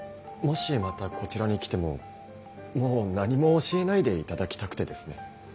もしまたこちらに来てももう何も教えないでいただきたくてですね。